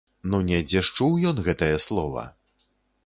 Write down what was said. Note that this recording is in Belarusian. Ну недзе ж чуў ён гэтае слова!